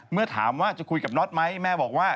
เมื่อถามว่าจะคุยกับน็อตไหมแม่บอกว่า